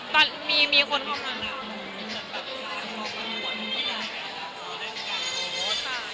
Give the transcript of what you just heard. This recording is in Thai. ตอนนี้มีใครพลัง